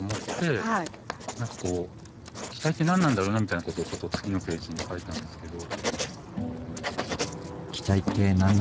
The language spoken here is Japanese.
何かこう期待って何なんだろうなみたいなことをちょっと次のページに書いたんですけど。